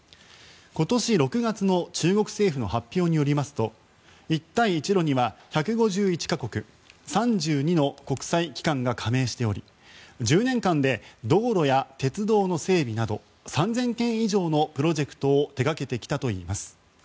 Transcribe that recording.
今年６月の中国政府の発表によりますと一帯一路には１５１か国、３２の国際機関が加盟しており１０年間で道路や鉄道の整備など３０００件以上のプロジェクトを手がけてきたといいます。